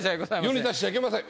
世に出しちゃいけません。